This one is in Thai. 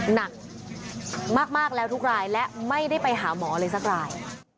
หนักมากแล้วทุกรายและไม่ได้ไปหาหมอเลยสักราย